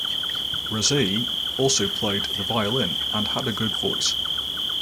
Rezaei also played the violin and had good voice.